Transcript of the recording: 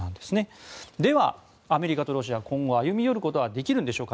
では、アメリカとロシア今後歩み寄ることはできるのでしょうか。